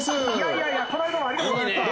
「いやいやこの間はありがとうございました」